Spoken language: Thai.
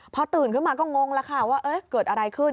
พอตื่นขึ้นมาก็งงแล้วค่ะว่าเกิดอะไรขึ้น